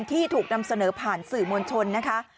ที่ถูกนำเสนอผ่านสื่อมวลชนนะคะ